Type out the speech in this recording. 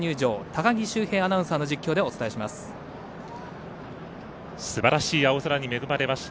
高木修平アナウンサーの実況でお伝えします。